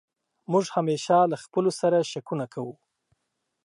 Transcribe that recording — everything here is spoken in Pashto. موږ همېشه له خپلو سر شکونه کوو.